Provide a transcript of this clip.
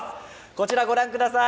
こちらご覧ください。